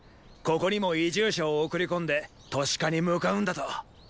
ここにも移住者を送り込んで都市化に向かうんだと。